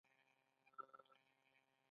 د اسثما سږي تنګوي.